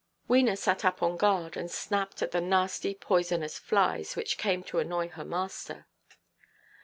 Wena sat up on guard and snapped at the nasty poisonous flies, which came to annoy her master.